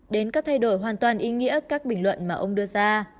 đến các thay đổi hoàn toàn ý nghĩa các bình luận mà ông đưa ra